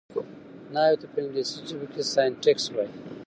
نحوي ته په انګلېسي کښي Syntax وایي.